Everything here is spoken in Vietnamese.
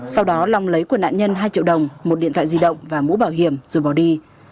sau đó long lấy của nạn nhân hai triệu đồng một điện thoại di động và mũ bảo hiểm rồi bỏ đi